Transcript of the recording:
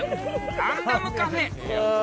ガンダムカフェ。